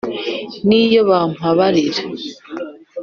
n’iyo bampabarira